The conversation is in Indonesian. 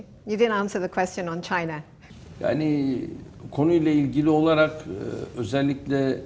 anda tidak menjawab pertanyaan tentang china